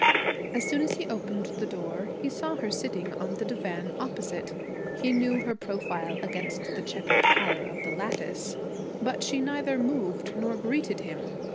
As soon as he opened the door he saw her sitting on the divan opposite. He knew her profile against the checkered pallor of the lattice. But she neither moved nor greeted him.